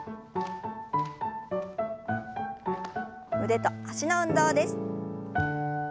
腕と脚の運動です。